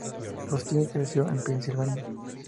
Justine creció en Pensilvania.